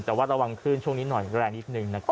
แต่ว่าระวังขึ้นช่วงนี้หน่อยแรงนิดนึงนะครับ